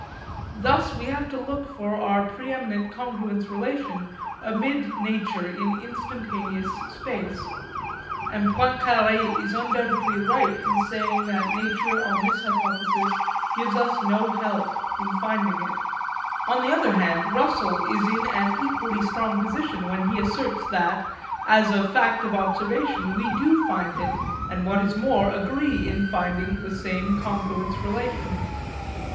Thus we have to look for our preeminent congruence relation amid nature in instantaneous space; and Poincaré is undoubtedly right in saying that nature on this hypothesis gives us no help in finding it. On the other hand Russell is in an equally strong position when he asserts that, as a fact of observation, we do find it, and what is more agree in finding the same congruence relation.